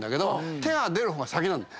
手が出る方が先なんだよ。